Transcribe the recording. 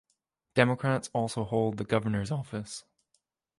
Democrats also hold the Governor's office.